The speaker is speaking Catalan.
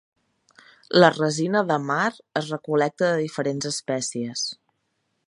La resina "dammar" es recol·lecta de diferents espècies.